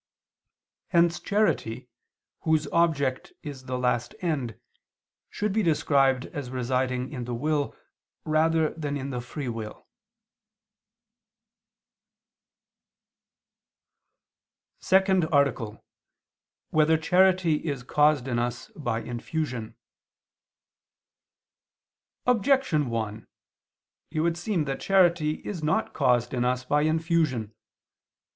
Hence charity, whose object is the last end, should be described as residing in the will rather than in the free will. _______________________ SECOND ARTICLE [II II, Q. 24, Art. 2] Whether Charity Is Caused in Us by Infusion? Objection 1: It would seem that charity is not caused in us by infusion.